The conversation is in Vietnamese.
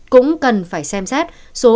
cũng cần phải xem xét